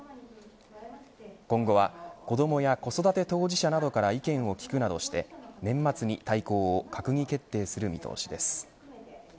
今後は子どもや子育て当事者などから意見を聞くなどして年末に大綱を閣議決定する見通しです。